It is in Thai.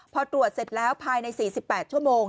พอตรวจเสร็จแล้วภายใน๔๘ชั่วโมง